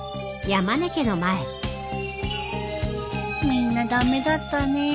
みんな駄目だったね。